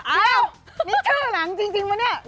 อ๊ะนี่ชื่อหนังจริงมั้ยนี่